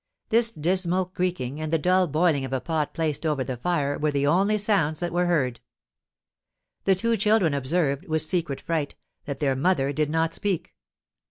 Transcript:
This dismal creaking, and the dull boiling of a pot placed over the fire, were the only sounds that were heard. The two children observed, with secret fright, that their mother did not speak.